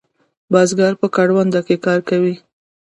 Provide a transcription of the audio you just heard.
بزگر په کرونده کې کار کوي.